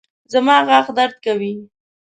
زما غاښ درد کوي